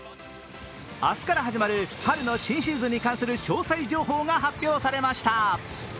明日から始まる春の新シーズンに関する詳細情報が発表されました。